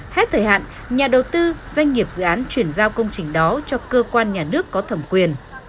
hết thời hạn nhà đầu tư doanh nghiệp dự án chuyển giao công trình đó cho cơ quan nhà nước có thẩm quyền